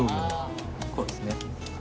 こうですね。